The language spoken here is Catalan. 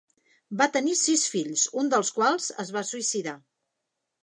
Va tenir sis fills, un dels quals es va suïcidar.